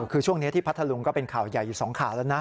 คือช่วงนี้ที่พัทธลุงก็เป็นข่าวใหญ่อยู่๒ข่าวแล้วนะ